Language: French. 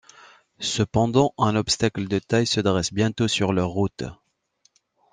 Cependant, un obstacle de taille se dresse bientôt sur leur route.